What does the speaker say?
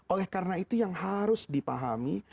oleh karena itu yang harus dipahami